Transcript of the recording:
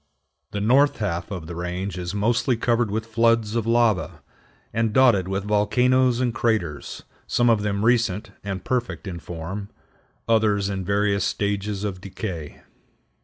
The north half of the range is mostly covered with floods of lava, and dotted with volcanoes and craters, some of them recent and perfect in form, others in various stages of decay.